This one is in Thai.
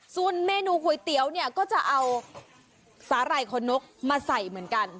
ส่วนเมนูก๋วยเตี๋ยวเนี่ยก็จะเอาสาหร่ายคนนกมาใส่เหมือนกัน